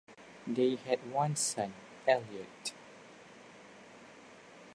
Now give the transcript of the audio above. They had one son, Elliot.